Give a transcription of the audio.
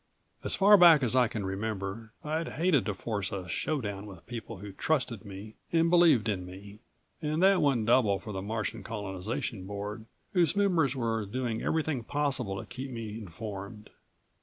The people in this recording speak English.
As far back as I can remember I'd hated to force a showdown with people who trusted me and believed in me. And that went double for the Martian Colonization Board, whose members were doing everything possible to keep me informed.